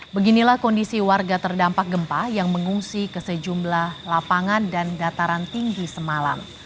beginilah kondisi warga terdampak gempa yang mengungsi ke sejumlah lapangan dan dataran tinggi semalam